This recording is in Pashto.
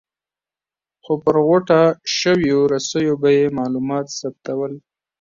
خو پر غوټه شویو رسیو به یې معلومات ثبتول.